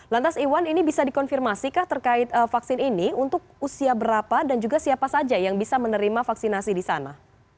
lantas iwan ini bisa dikonfirmasikah terkait vaksin ini untuk usia berapa dan juga siapa saja yang bisa menerima vaksinasi di sana